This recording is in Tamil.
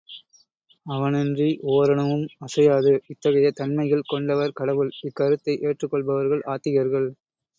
அவனன்றி ஓரணுவும் அசையாது. இத்தகைய தன்மைகள் கொண்டவர் கடவுள், இக்கருத்தை ஏற்றுக் கொள்பவர்கள் ஆத்திகர்கள்.